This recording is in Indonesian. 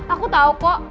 aku tau kok